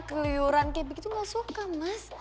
keluyuran kayak begitu nggak suka mas